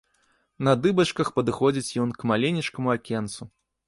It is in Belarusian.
На дыбачках падыходзіць ён к маленечкаму акенцу.